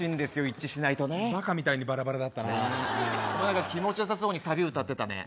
一致しないとねバカみたいにバラバラだったなお前何か気持ちよさそうにサビ歌ってたね